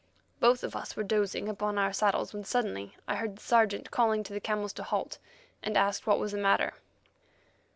Both of us were dozing upon our saddles when suddenly I heard the Sergeant calling to the camels to halt and asked what was the matter.